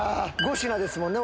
５品ですもんね